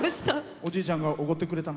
おじいちゃんがおごってくれたの？